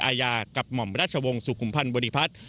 อาญากับหม่อมราชวงศ์สุขุมพันธ์บริพัฒน์